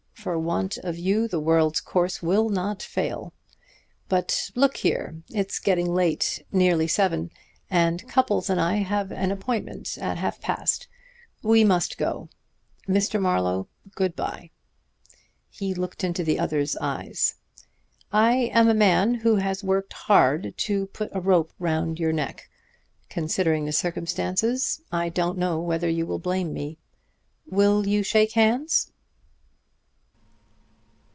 For want of you the world's course will not fail. But look here! It's getting late nearly seven, and Cupples and I have an appointment at half past. We must go. Mr. Marlowe, good by." He looked into the other's eyes. "I am a man who has worked hard to put a rope round your neck. Considering the circumstances I don't know whether you will blame me. Will you shake hands?"